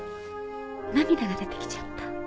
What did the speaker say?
涙が出て来ちゃった。